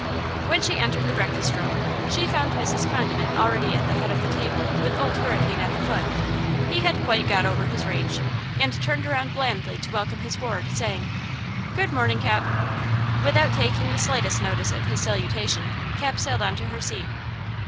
When she entered the breakfast room she found Mrs. Condiment already at the head of the table and Old Hurricane at the foot. He had quite got over his rage, and turned around blandly to welcome his ward, saying; "Good morning, Cap." Without taking the slightest notice of his salutation, Cap sailed on to her seat.